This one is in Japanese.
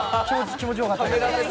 気持ちよかったけど。